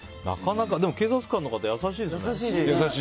でも警察官の方、優しいですね。